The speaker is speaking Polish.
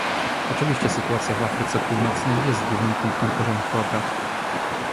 Oczywiście sytuacja w Afryce Północnej jest głównym punktem porządku obrad